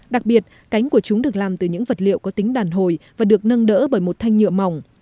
đặc biệt cánh của chúng được làm từ những vật liệu có tính đàn hồi và được nâng đỡ bởi một thanh nhựa mỏng